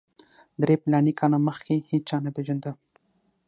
درې فلاني کاله مخکې هېچا نه پېژاند.